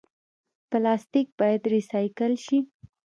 پلاستیک باید ریسایکل شي